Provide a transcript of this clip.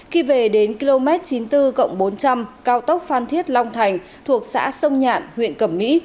khi về đến km chín mươi bốn bốn trăm linh cao tốc phan thiết long thành thuộc xã sông nhạn huyện cẩm mỹ